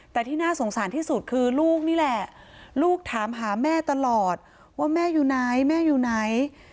แต่ที่น่าสงสารที่สุดคือลูกนี่แหละลูกถามหาแม่ตลอดว่าแม่อยู่ไหนแม่อยู่ไหน